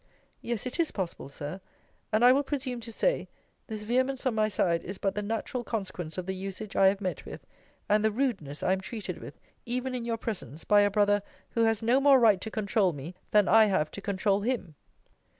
Yes, it is possible, Sir and, I will presume to say, this vehemence on my side is but the natural consequence of the usage I have met with, and the rudeness I am treated with, even in your presence, by a brother, who has no more right to controul me, than I have to controul him.